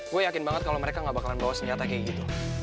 gue yakin banget kalau mereka gak bakalan bawa senjata kayak gitu